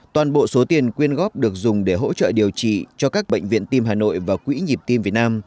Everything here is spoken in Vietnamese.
toàn bộ số tiền quyên góp được dùng để hỗ trợ điều trị cho các bệnh viện tim hà nội và quỹ nhịp tim việt nam